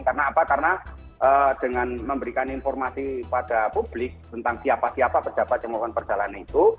karena apa karena dengan memberikan informasi kepada publik tentang siapa siapa pejabat yang melakukan perjalanan itu